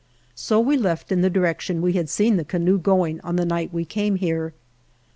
So we left in the direc tion we had seen the canoe going on the 43 THE JOURNEY OF night we came here.